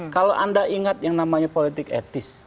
kalau anda ingat yang namanya politik etis